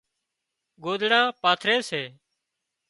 ڳوۮڙان پاٿري سي